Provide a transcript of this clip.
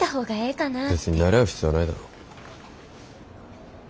別になれ合う必要はないだろ。